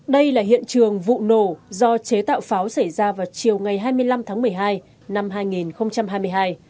đây là hiện trường vụ nổ do chế tạo pháo xảy ra vào chiều ngày hai mươi năm tháng một mươi hai năm hai nghìn hai mươi hai